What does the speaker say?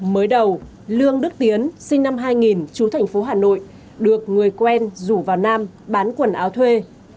mới đầu lương đức tiến sinh năm hai nghìn chú thành phố hà nội được người quen rủ vào nam bán quần áo thuê